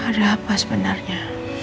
ada apa sebenarnya